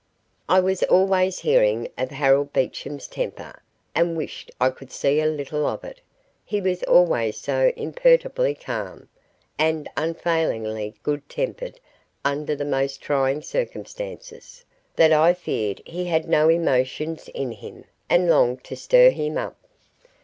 I was always hearing of Harold Beecham's temper, and wished I could see a little of it. He was always so imperturbably calm, and unfailingly good tempered under the most trying circumstances, that I feared he had no emotions in him, and longed to stir him up.